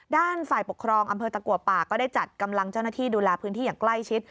ด้านฝ่ายปกครองอำเภอตะกัวป่าก็ได้จัดกำลังเจ้าหน้าที่ดูแลพื้นที่อย่างใกล้ชิด